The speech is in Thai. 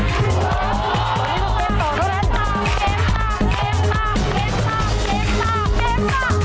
เกมต่อเกมต่อเกมต่อ